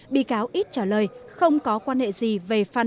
bị cáo ít trả lời không có quan hệ gì về phan văn